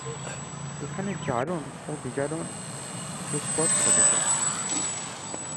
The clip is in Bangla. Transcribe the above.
এখানে জারণ ও বিজারণ যুগপৎ ঘটেছে।